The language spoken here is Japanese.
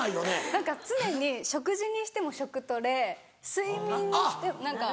何か常に食事にしても食トレ睡眠にしても何か。